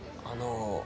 あの。